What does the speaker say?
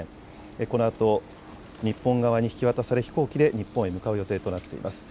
このあと、日本側に引き渡され飛行機で日本へ向かう予定となっています。